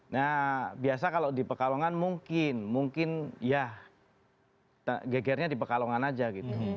nah biasa kalau di pekalongan mungkin mungkin ya gegernya di pekalongan aja gitu